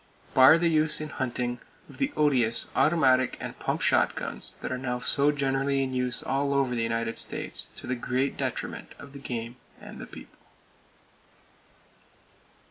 Bar the use in hunting of the odious automatic and pump shotguns that are now so generally in use all over the United States to the great detriment of the game and the people.